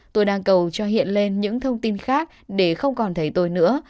tôi đang cầu cho hiện lên những thông tin khác để không còn thấy tôi nữa